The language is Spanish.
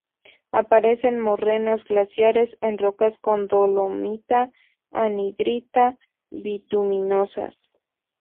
Aparece en morrenas glaciares, en rocas con dolomita-anhidrita bituminosas.